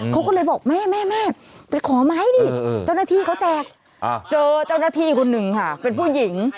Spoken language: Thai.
เขาก็เลยบอกแม่แม่ไปขอไม้ดิเจอเจ้านาธิคนหนึ่งค่ะเป็นผู้หญิง